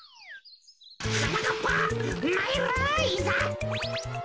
はなかっぱまいるいざ！